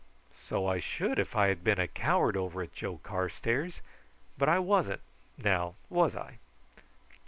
"So I should if I had been a coward over it, Joe Carstairs; but I wasn't now was I?"